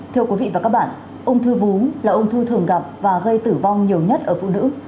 thưa quý vị và các bạn ung thư vú là ung thư thường gặp và gây tử vong nhiều nhất ở phụ nữ